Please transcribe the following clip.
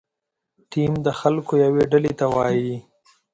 ټیم د خلکو یوې ډلې ته وایي.